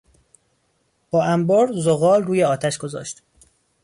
با انبر زغال روی آتش گذاشت.